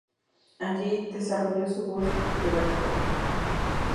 Allí desarrolló su voz de barítono.